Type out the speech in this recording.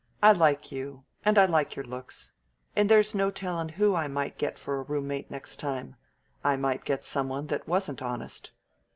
"I like you, and I like your looks, and there's no tellin' who I might get for a roommate next time. I might get some one that wasn't honest."